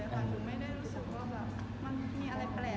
ถูกไม่ได้รู้สึกว่ามันมีอะไรแปลกเลย